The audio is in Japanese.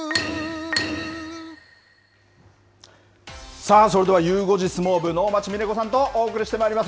さあ、それではゆう５時相撲部、能町みね子さんとお送りしてまいります。